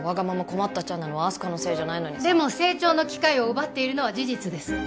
困ったちゃんなのはあす花のせいじゃないのにでも成長の機会を奪っているのは事実です